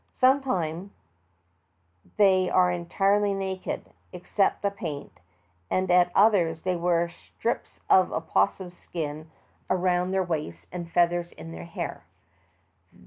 Sometimes they are entirely naked, excepting the paint, and at others they wear strips of opossum skin around their waists and feathers in their hair.